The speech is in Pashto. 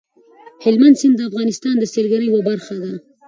هلمند سیند د افغانستان د سیلګرۍ یوه برخه ده.